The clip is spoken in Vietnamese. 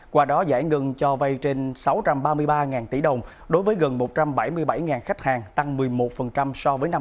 qua đó giải ngân cho vay trên sáu trăm ba mươi ba tỷ đồng đối với gần một trăm bảy mươi bảy khách hàng tăng một mươi một so với năm hai nghìn một mươi tám